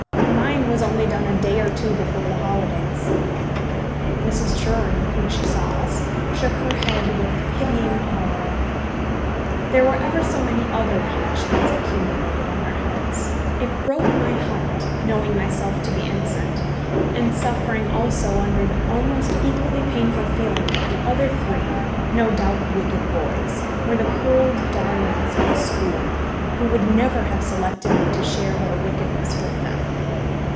Mine was only done a day or two before the holidays. Mrs. Drury, when she saw us, shook her head with pitying horror. There were ever so many other punishments accumulated on our heads. It broke my heart, knowing myself to be innocent, and suffering also under the almost equally painful feeling that the other three no doubt wicked boys were the curled darlings of the school, who would never have selected me to share their wickedness with them.